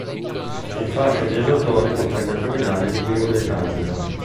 Il fascio viaggiatori comprende tre binari di cui uno di transito.